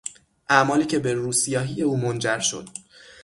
اعمالی که به روسیاهی او منجر شد.